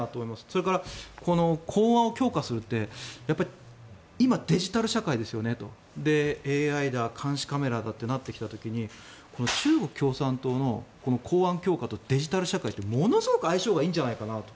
それから、公安を強化するって今、デジタル社会ですよねと。ＡＩだ監視カメラだとなってきた時に中国共産党の公安強化とデジタル社会ってものすごく相性がいいんじゃないかなと。